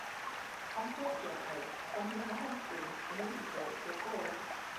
Unfortunately, when he's not on screen, the movie slows to a crawl.